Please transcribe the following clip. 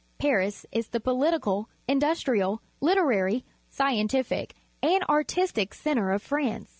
Paris is the political, industrial, literarj% scientific, and artistic centre of France.